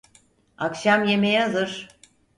Akşam yemeği hazır.